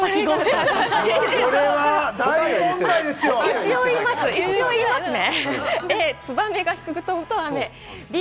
一応言いますね。